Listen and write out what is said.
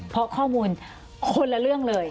เพราะข้อมูลคนละเรื่องเลย